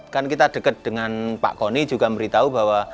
kan kita dekat dengan pak kony juga memberitahu bahwa